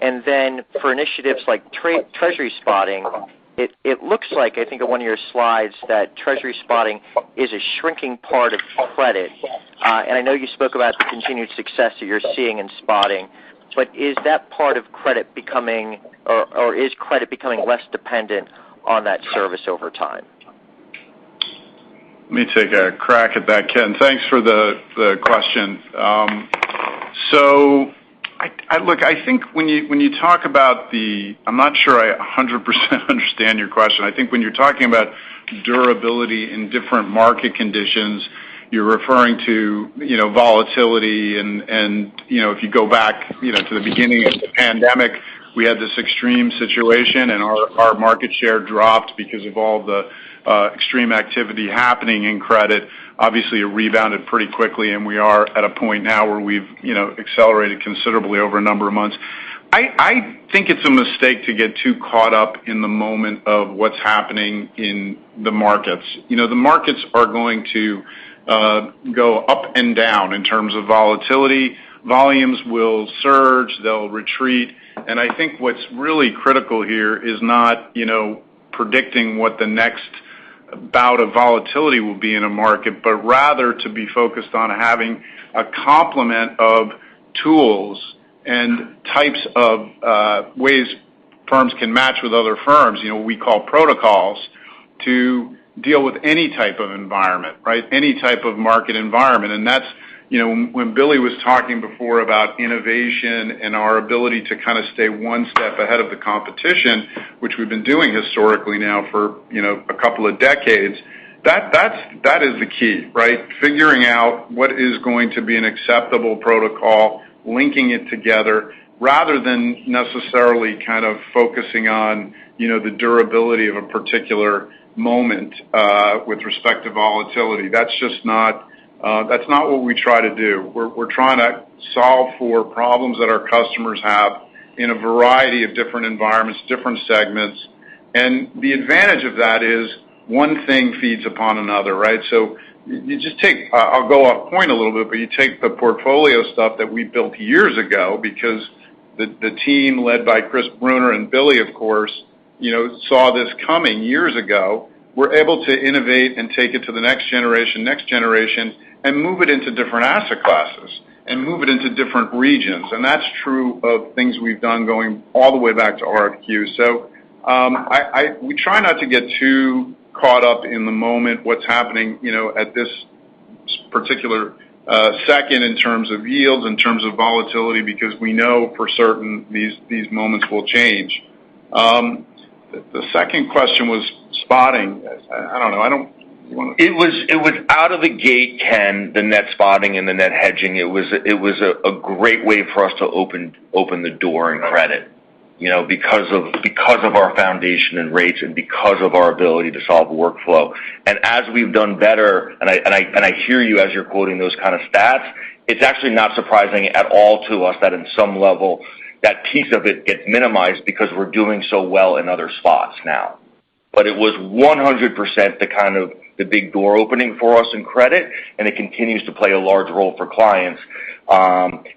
For initiatives like Treasury spotting, it looks like, I think on one of your slides, that Treasury spotting is a shrinking part of credit. I know you spoke about the continued success that you are seeing in spotting, but is credit becoming less dependent on that service over time? Let me take a crack at that, Ken. Thanks for the question. Look, I think when you talk about, I'm not sure I 100% understand your question. I think when you're talking about durability in different market conditions, you're referring to volatility, and if you go back to the beginning of the pandemic, we had this extreme situation, and our market share dropped because of all the extreme activity happening in credit. Obviously, it rebounded pretty quickly, and we are at a point now where we've accelerated considerably over a number of months. I think it's a mistake to get too caught up in the moment of what's happening in the markets. The markets are going to go up and down in terms of volatility. Volumes will surge, they'll retreat, I think what's really critical here is not predicting what the next bout of volatility will be in a market, but rather to be focused on having a complement of tools and types of ways firms can match with other firms, we call protocols. To deal with any type of environment, right? Any type of market environment. When Billy Hult was talking before about innovation and our ability to kind of stay one step ahead of the competition, which we've been doing historically now for a couple of decades, that is the key, right? Figuring out what is going to be an acceptable protocol, linking it together, rather than necessarily kind of focusing on the durability of a particular moment with respect to volatility. That's not what we try to do. We're trying to solve for problems that our customers have in a variety of different environments, different segments. The advantage of that is one thing feeds upon another, right? I'll go off point a little bit, but you take the portfolio stuff that we built years ago because the team led by Chris Bruner and Billy Hult, of course, saw this coming years ago. We're able to innovate and take it to the next generation and move it into different asset classes and move it into different regions. That's true of things we've done going all the way back to RFQ. We try not to get too caught up in the moment, what's happening at this particular second in terms of yields, in terms of volatility, because we know for certain these moments will change. The second question was spotting. I don't know. It was out of the gate, Ken, the net spotting and the net hedging. It was a great way for us to open the door in credit because of our foundation and rates and because of our ability to solve workflow. As we've done better, and I hear you as you're quoting those kind of stats, it's actually not surprising at all to us that in some level, that piece of it gets minimized because we're doing so well in other spots now. It was 100% the kind of the big door opening for us in credit, and it continues to play a large role for clients.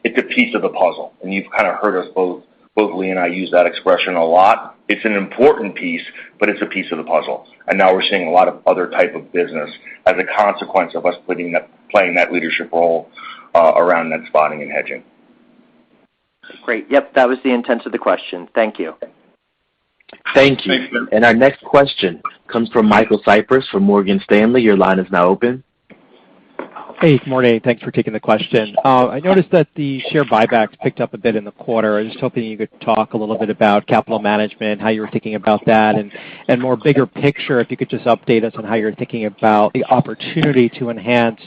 It's a piece of the puzzle, you've kind of heard us both Lee and I use that expression a lot. It's an important piece, it's a piece of the puzzle. Now we're seeing a lot of other type of business as a consequence of us playing that leadership role around net spotting and hedging. Great. Yep, that was the intent of the question. Thank you. Thank you. Thank you. Our next question comes from Michael Cyprys from Morgan Stanley. Your line is now open. Hey, good morning. Thanks for taking the question. I noticed that the share buybacks picked up a bit in the quarter. I was just hoping you could talk a little bit about capital management, how you were thinking about that, and more bigger picture, if you could just update us on how you're thinking about the opportunity to enhance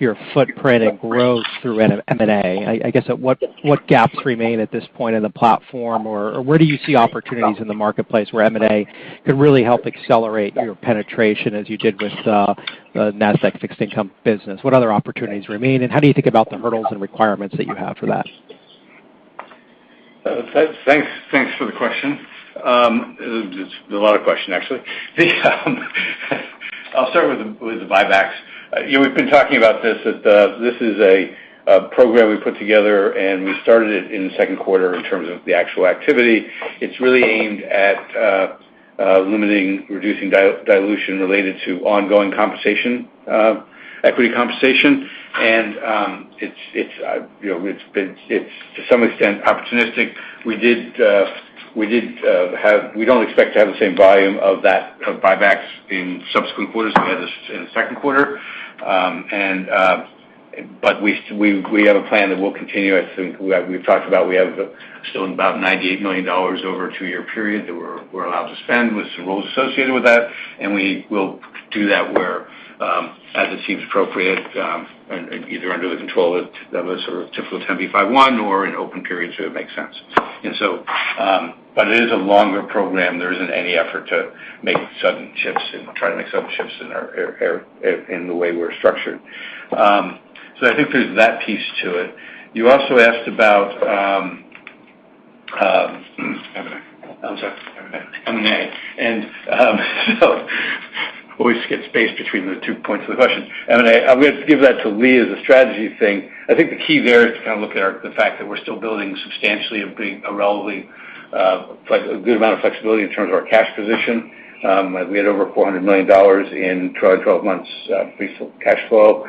your footprint and growth through M&A. I guess, what gaps remain at this point in the platform, or where do you see opportunities in the marketplace where M&A could really help accelerate your penetration, as you did with the Nasdaq Fixed Income business? What other opportunities remain, and how do you think about the hurdles and requirements that you have for that? Thanks for the question. It's a lot of question, actually. I'll start with the buybacks. We've been talking about this. This is a program we put together, and we started it in the second quarter in terms of the actual activity. It's really aimed at limiting, reducing dilution related to ongoing equity compensation. It's to some extent opportunistic. We don't expect to have the same volume of buybacks in subsequent quarters as we had in the second quarter. We have a plan that we'll continue. I think we've talked about we have still about $98 million over a two year period that we're allowed to spend with some rules associated with that, and we will do that as it seems appropriate, either under the control of sort of typical 10b5-1 or in open periods where it makes sense. It is a longer program. There isn't any effort to make sudden shifts in the way we're structured. I think there's that piece to it. You also asked about M&A. I'm sorry. M&A. M&A. Always get spaced between the two points of the question. M&A. I'm going to give that to Lee as a strategy thing. I think the key there is to kind of look at the fact that we're still building substantially a good amount of flexibility in terms of our cash position. We had over $400 million in trailing 12 months free cash flow.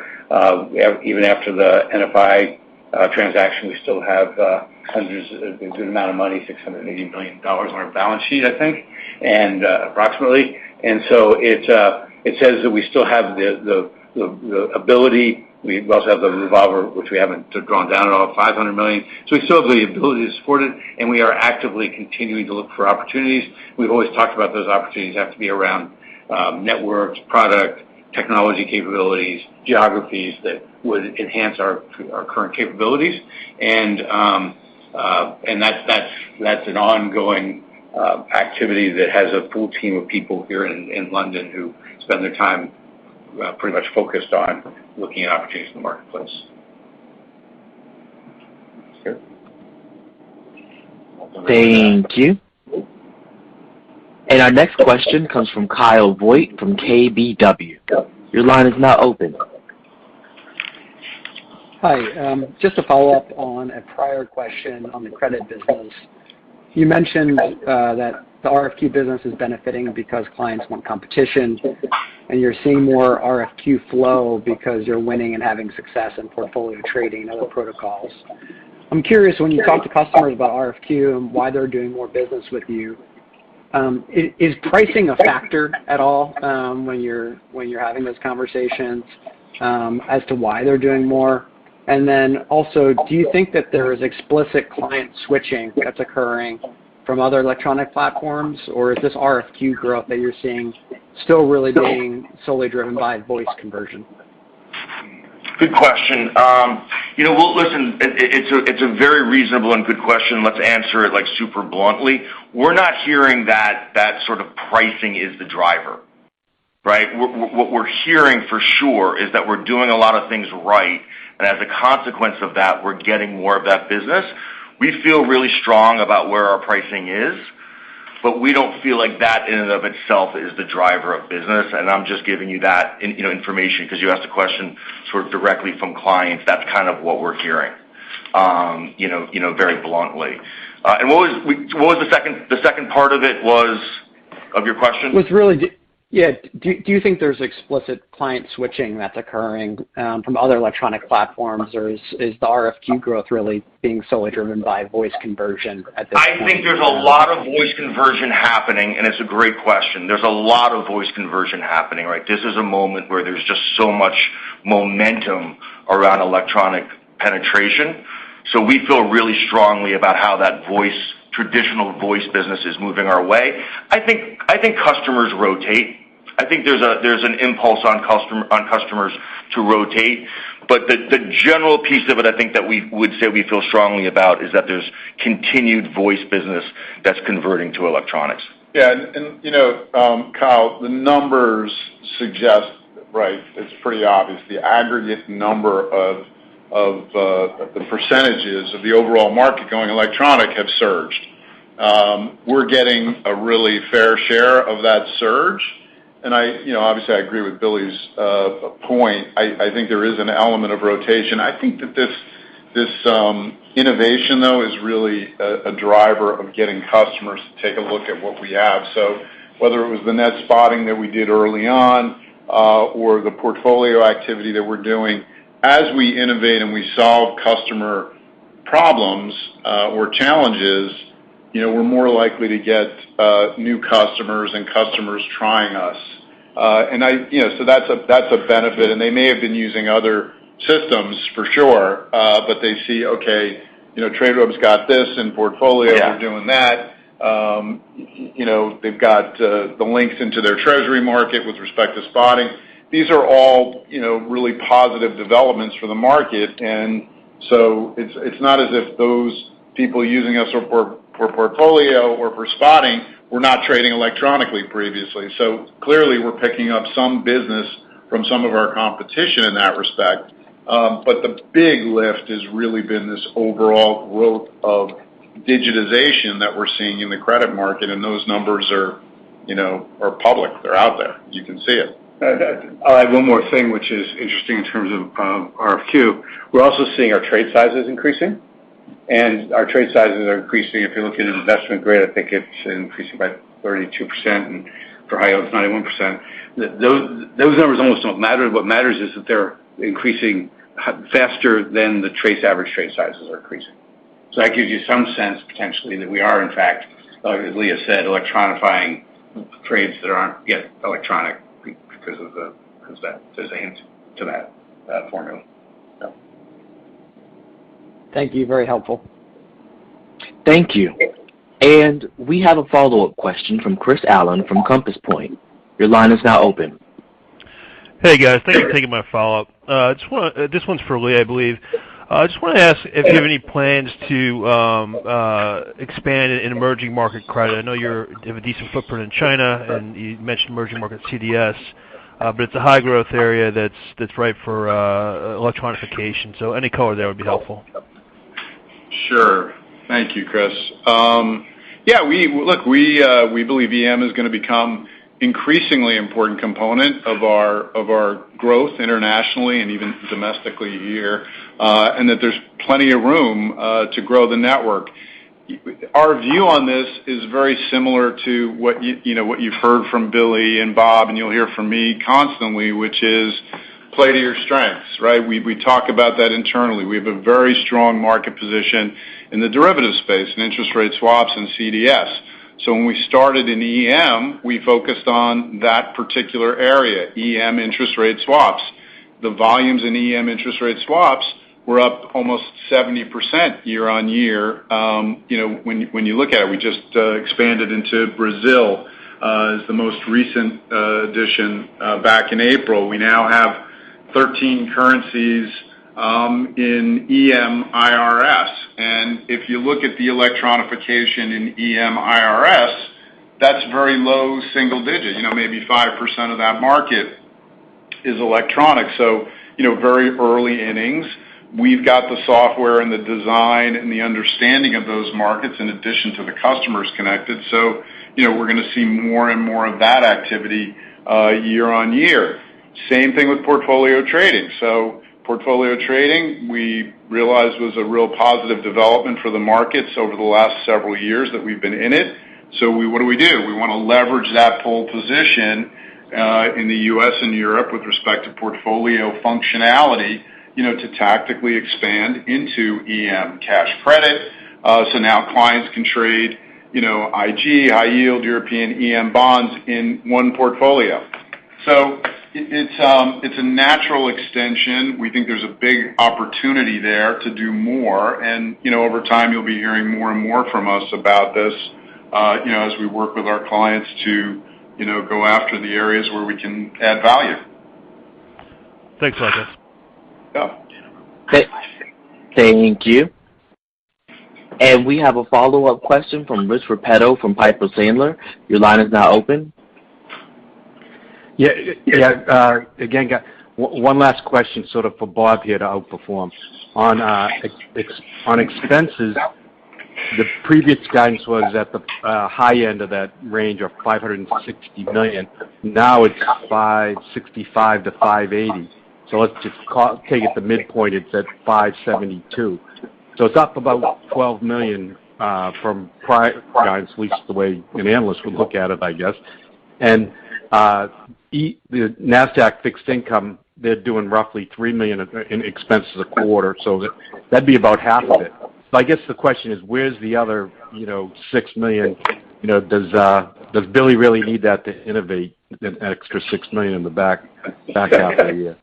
Even after the NFI transaction, we still have hundreds, a good amount of money, $680 million on our balance sheet, I think, approximately. It says that we still have the ability. We also have the revolver, which we haven't drawn down at all, $500 million. We still have the ability to support it, and we are actively continuing to look for opportunities. We've always talked about those opportunities have to be around networks, product, technology capabilities, geographies that would enhance our current capabilities. That's an ongoing activity that has a full team of people here in London who spend their time pretty much focused on looking at opportunities in the marketplace. Sure. Thank you. Our next question comes from Kyle Voigt from KBW. Your line is now open. Hi. Just to follow up on a prior question on the credit business. You mentioned that the RFQ business is benefiting because clients want competition, and you're seeing more RFQ flow because you're winning and having success in portfolio trading and other protocols. I'm curious, when you talk to customers about RFQ and why they're doing more business with you, is pricing a factor at all when you're having those conversations as to why they're doing more? Then also, do you think that there is explicit client switching that's occurring from other electronic platforms? Or is this RFQ growth that you're seeing still really being solely driven by voice conversion? Good question. Listen, it's a very reasonable and good question. Let's answer it super bluntly. We're not hearing that sort of pricing is the driver. Right? What we're hearing for sure is that we're doing a lot of things right, and as a consequence of that, we're getting more of that business. We feel really strong about where our pricing is, but we don't feel like that in and of itself is the driver of business, and I'm just giving you that information because you asked the question sort of directly from clients. That's kind of what we're hearing, very bluntly. What was the second part of your question? Do you think there's explicit client switching that's occurring from other electronic platforms, or is the RFQ growth really being solely driven by voice conversion at this point? I think there's a lot of voice conversion happening, and it's a great question. There's a lot of voice conversion happening, right? This is a moment where there's just so much momentum around electronic penetration. We feel really strongly about how that traditional voice business is moving our way. I think customers rotate. I think there's an impulse on customers to rotate. The general piece of it, I think, that we would say we feel strongly about is that there's continued voice business that's converting to electronics. Yeah. Kyle, the numbers suggest, it's pretty obvious. The aggregate number of the percentages of the overall market going electronic have surged. We're getting a really fair share of that surge, and obviously, I agree with Billy's point. I think there is an element of rotation. I think that this innovation, though, is really a driver of getting customers to take a look at what we have. Whether it was the net spotting that we did early on, or the portfolio activity that we're doing, as we innovate and we solve customer problems or challenges, we're more likely to get new customers and customers trying us. That's a benefit, and they may have been using other systems for sure. They see, okay, Tradeweb's got this. Yeah We're doing that. They've got the links into their treasury market with respect to spotting. These are all really positive developments for the market. It's not as if those people using us for portfolio or for spotting were not trading electronically previously. Clearly, we're picking up some business from some of our competition in that respect. The big lift has really been this overall growth of digitization that we're seeing in the credit market, and those numbers are public. They're out there. You can see it. I'll add one more thing, which is interesting in terms of RFQ. We're also seeing our trade sizes increasing, and our trade sizes are increasing. If you're looking at investment grade, I think it's increasing by 32%, and for high yield, it's 91%. Those numbers almost don't matter. What matters is that they're increasing faster than the average trade sizes are increasing. That gives you some sense, potentially, that we are, in fact, as Lee has said, electronifying trades that aren't yet electronic because of the to that formula. Thank you. Very helpful. Thank you. We have a follow-up question from Chris Allen from Compass Point. Your line is now open. Hey, guys. Thanks for taking my follow-up. This one's for Lee, I believe. I just want to ask if you have any plans to expand in emerging market credit. I know you have a decent footprint in China, and you mentioned emerging market CDS, but it's a high-growth area that's ripe for electronification. Any color there would be helpful. Sure. Thank you, Chris. Look, we believe EM is going to become increasingly important component of our growth internationally and even domestically here, and that there's plenty of room to grow the network. Our view on this is very similar to what you've heard from Billy and Bob, and you'll hear from me constantly, which is play to your strengths. Right? We talk about that internally. We have a very strong market position in the derivative space, in interest rate swaps and CDS. When we started in EM, we focused on that one particular area, EM interest rate swaps. The volumes in EM interest rate swaps were up almost 70% year-on-year when you look at it. We just expanded into Brazil as the most recent addition back in April. We now have 13 currencies in EM IRS, and if you look at the electronification in EM IRS, that's very low single digit, maybe 5% of that market is electronic. Very early innings. We've got the software and the design and the understanding of those markets in addition to the customers connected. We're going to see more and more of that activity year on year. Same thing with portfolio trading. Portfolio trading, we realized, was a real positive development for the markets over the last several years that we've been in it. What do we do? We want to leverage that pole position in the U.S. and Europe with respect to portfolio functionality, to tactically expand into EM cash credit. Now clients can trade IG, high yield European EM bonds in 1 portfolio. It's a natural extension. We think there's a big opportunity there to do more, and over time, you'll be hearing more and more from us about this as we work with our clients to go after the areas where we can add value. Thanks, Arthur. Yeah. Thank you. We have a follow-up question from Rich Repetto from Piper Sandler. Your line is now open. Again, one last question sort of for Bob here to outperform. On expenses, the previous guidance was at the high end of that range of $560 million. Now it's $565 million-$580 million. Let's just take it to midpoint, it's at $572 million. It's up about $12 million from prior guidance, at least the way an analyst would look at it, I guess. The Nasdaq Fixed Income, they're doing roughly $3 million in expenses a quarter, so that'd be about half of it. I guess the question is, where's the other $6 million? Does Billy really need that to innovate an extra $6 million in the back half of the year?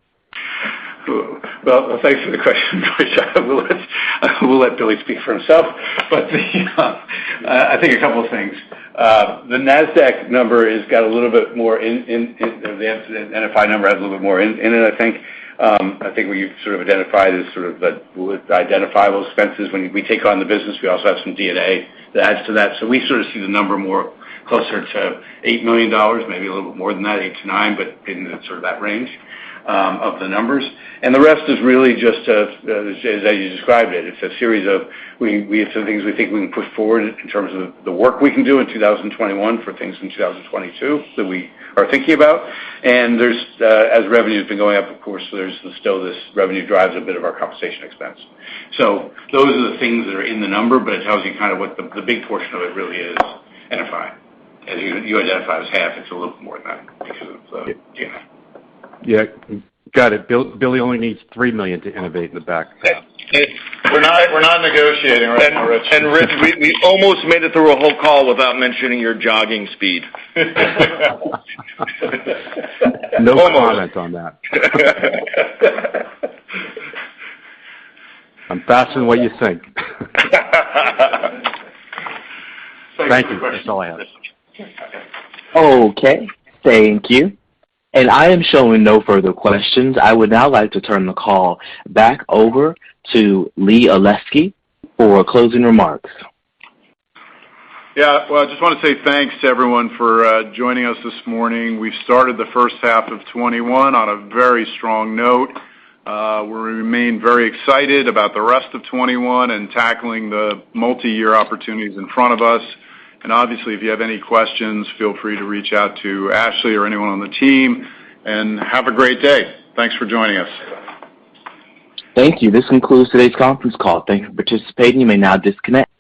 Well, thanks for the question, Rich. I will let Billy speak for himself, but I think a couple of things. The Nasdaq number has got a little bit more in advance. The NFI number has a little bit more in it, I think. I think where you've sort of identified as sort of the identifiable expenses. When we take on the business, we also have some D&A that adds to that. We sort of see the number more closer to $8 million, maybe a little bit more than that, $8-$9, but in sort of that range of the numbers. The rest is really just as you described it. It's a series of, we have some things we think we can push forward in terms of the work we can do in 2021 for things in 2022 that we are thinking about. As revenue's been going up, of course, there's still this revenue drives a bit of our compensation expense. Those are the things that are in the number, but it tells you kind of what the big portion of it really is, NFI. You identified as half, it's a little more than that because of D&A. Yeah. Got it. Billy only needs $3 million to innovate in the back. We're not negotiating, are we, Rich? Rich, we almost made it through a whole call without mentioning your jogging speed. No comment on that. I'm faster than what you think. Thank you. That's all I ask. Okay. Thank you. I am showing no further questions. I would now like to turn the call back over to Lee Olesky for closing remarks. Yeah. Well, I just want to say thanks to everyone for joining us this morning. We've started the first half of 2021 on a very strong note. We remain very excited about the rest of 2021 and tackling the multi-year opportunities in front of us. Obviously, if you have any questions, feel free to reach out to Ashley or anyone on the team. Have a great day. Thanks for joining us. Thank you. This concludes today's conference call. Thank you for participating. You may now disconnect.